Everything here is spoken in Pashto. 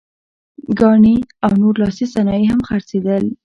ګاڼې او نور لاسي صنایع یې خرڅېدل.